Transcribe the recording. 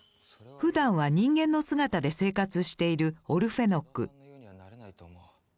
ふだんは人間の姿で生活しているオルフェノク。